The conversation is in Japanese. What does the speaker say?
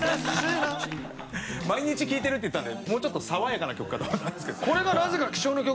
毎日聴いてるって言ってたのでもうちょっと爽やかな曲かと思ったんですけど。